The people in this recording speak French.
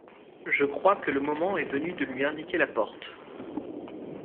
Je crois que le moment est venu de lui indiquer la porte…